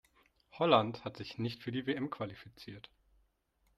Holland hat sich nicht für die WM qualifiziert.